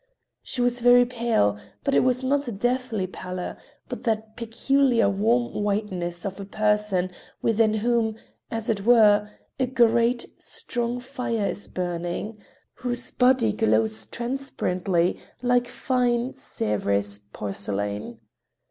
She was very pale, but it was not a deathly pallor, but that peculiar warm whiteness of a person within whom, as it were, a great, strong fire is burning, whose body glows transparently like fine Sèvres porcelain.